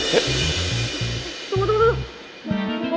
tunggu tunggu tunggu